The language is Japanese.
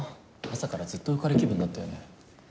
朝からずっと浮かれ気分だったよね。